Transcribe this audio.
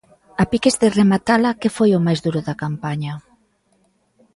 A piques de rematala, que foi o máis duro da campaña?